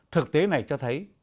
thực tế này cho thấy